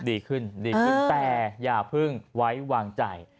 ดีขึ้นดีขึ้นแต่อย่าเพิ่งไว้วางใจ